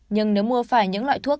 nhưng nếu mua phải những loại thuốc